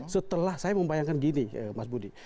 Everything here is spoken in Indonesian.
setelah saya membayangkan gini mas budi